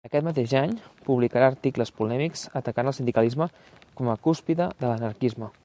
Aquest mateix any, publicarà articles polèmics atacant el sindicalisme com a cúspide de l'anarquisme.